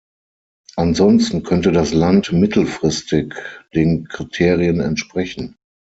Ansonsten könnte das Land mittelfristig den Kriterien entsprechen.